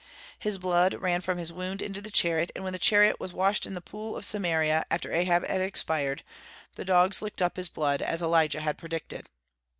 His blood ran from his wound into the chariot, and when the chariot was washed in the pool of Samaria, after Ahab had expired, the dogs licked up his blood, as Elijah had predicted.